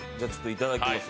いただきます。